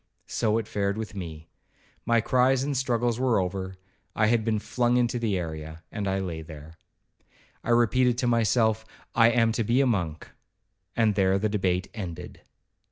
—So it fared with me; my cries and struggles were over,—I had been flung into the area, and I lay there. I repeated to myself, 'I am to be a monk,' and there the debate ended.